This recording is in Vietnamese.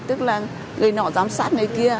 tức là người nội giám sát người kia